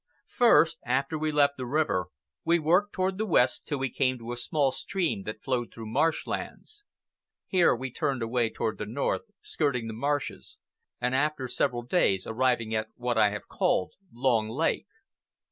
First, after we left the river, we worked toward the west till we came to a small stream that flowed through marshlands. Here we turned away toward the north, skirting the marshes and after several days arriving at what I have called Long Lake.